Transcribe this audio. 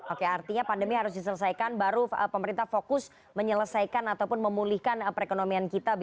oke artinya pandemi harus diselesaikan baru pemerintah fokus menyelesaikan ataupun memulihkan perekonomian kita